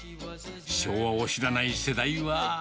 昭和を知らない世代は。